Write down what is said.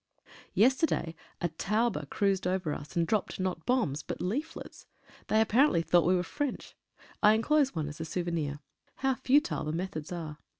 Yesterday a Taube cruised over us, and dropped, not bombs, but leaflets. They apparently thought we were French. I enclose one as a souvenir. How futile the methods are?